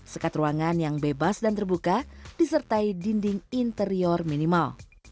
sekat ruangan yang bebas dan terbuka disertai dinding interior minimal